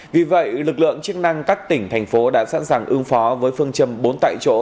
vì vậy lực lượng chức năng các tỉnh thành phố đã sẵn sàng ứng phó với phương châm bốn tại chỗ